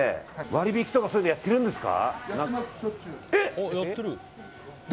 割引とかそういうのやってるんですか？